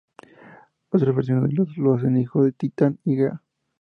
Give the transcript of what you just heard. Otras versiones lo hacen hijo de Titán y Gea.